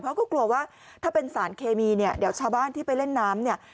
เพราะก็กลัวว่าถ้าเป็นสารเคมีเนี่ยเดี๋ยวชาวบ้านที่ไปเล่นน้ำเนี่ย